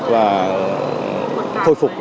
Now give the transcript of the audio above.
và thôi phục